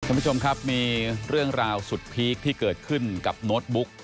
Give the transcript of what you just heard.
คุณผู้ชมครับมีเรื่องราวสุดพีคที่เกิดขึ้นกับโน้ตบุ๊ก